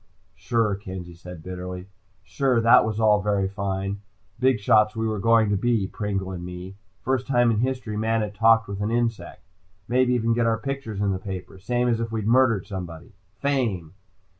"Sure," Kenzie said bitterly. "Sure that was all very fine. Big shots, we were going to be, Pringle and me. First time in history man had talked with an insect. Maybe even get our pictures in the paper, same as if we'd murdered somebody. Fame!"